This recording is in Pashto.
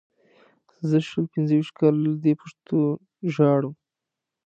زه شل پنځه ویشت کاله له دې پښتو ژاړم.